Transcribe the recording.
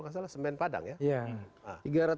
nggak salah semen padang ya